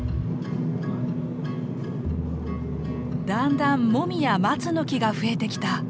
だんだんモミやマツの木が増えてきた。